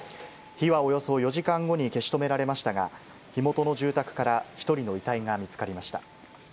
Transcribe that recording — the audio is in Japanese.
火はおよそ４時間後に消し止められましたが、火元の住宅から１人の遺体が見つかりました。